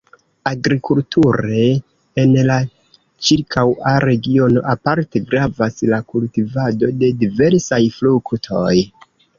Agrikulture en la ĉirkaŭa regiono aparte gravas la kultivado de diversaj fruktoj.